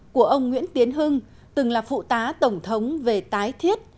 của ông nguyễn tiến hưng từng là phụ tá tổng thống về tái thiết